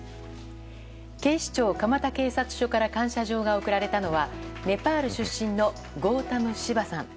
警視庁蒲田警察署から感謝状が贈られたのはネパール出身のゴウタム・シバさん。